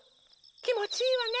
きもちいいわね！